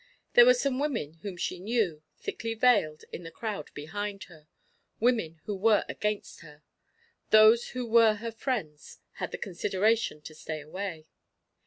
There were some women whom she knew, thickly veiled, in the crowd behind her women who were against her. Those who were her friends had the consideration to stay away.